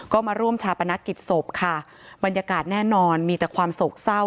ก็มาร่วมชาปนกิจศพค่ะบรรยากาศแน่นอนมีแต่ความโศกเศร้า